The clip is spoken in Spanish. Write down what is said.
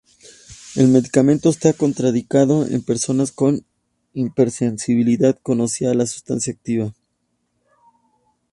El medicamento está contraindicado en personas con hipersensibilidad conocida a la sustancia activa.